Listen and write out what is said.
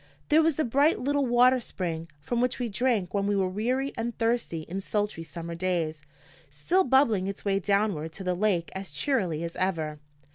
There was the bright little water spring, from which we drank when we were weary and thirsty in sultry summer days, still bubbling its way downward to the lake as cheerily as ever.